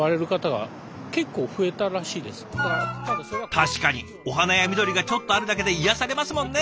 確かにお花や緑がちょっとあるだけで癒やされますもんね。